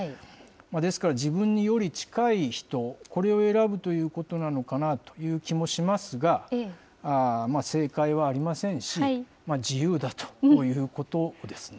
ですから、自分により近い人、これを選ぶということなのかなという気もしますが、正解はありませんし、自由だということですね。